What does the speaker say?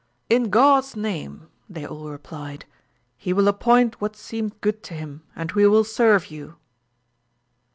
In God's name ! they all replied; he will appoint what seemeth good to him, and we will serve you.